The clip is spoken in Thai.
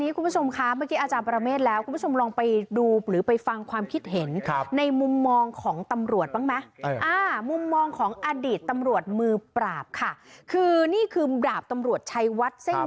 ที่นี่คุณผู้ชมค่ะอาจารย์ปราเมษแล้ว